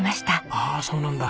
ああそうなんだ。